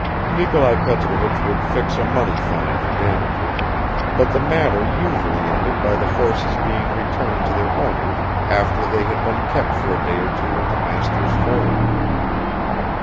Nikolai Petrovich would fix a money fine for damages, but the matter usually ended by the horses being returned to their owners after they had been kept for a day or two on the master's forage.